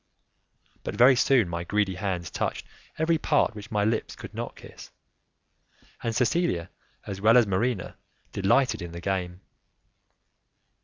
But very soon my greedy hands touched every part which my lips could not kiss, and Cecilia, as well as Marina, delighted in the game.